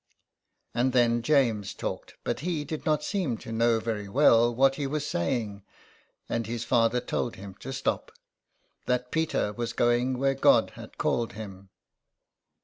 '^ And then James talked, but he did not seem to know very well what he was saying, and his father told him to stop — that Peter was going where God had called him.